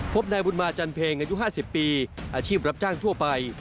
พบนายบุญมาจันเพงอายุ๕๐ปีอาชีพรับจ้างทั่วไป